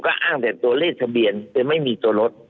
ก็อ้างแต่ตัวเลขทะเบียนแต่ไม่มีตัวรถ